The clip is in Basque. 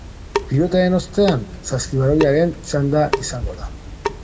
Pilotaren ostean, saskibaloiaren txanda izango da.